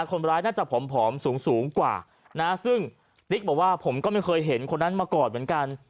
คนร้ายน่าจะผอมสูงสูงกว่านะซึ่งติ๊กบอกว่าผมก็ไม่เคยเห็นคนนั้นมาก่อนเหมือนกัน